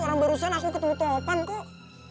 orang barusan aku ketemu topan kok